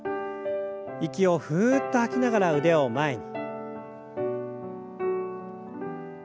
息をふっと吐きながら腕を前に。